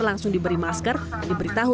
langsung diberi masker dan diberi tahu